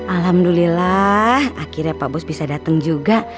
alhamdulillah akhirnya pak bos bisa dateng juga